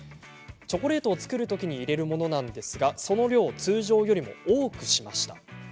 チョコレートを作るときに入れるものなんですがその量を通常より多くしました。